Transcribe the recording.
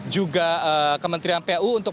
juga kementerian pu untuk